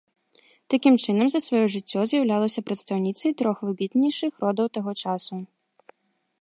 Такім чынам за сваё жыццё, з'яўлялася прадстаўніцай трох выбітнейшых родаў таго часу.